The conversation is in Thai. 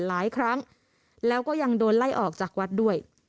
หลายครั้งแล้วก็ยังโดนไล่ออกจากวัดด้วย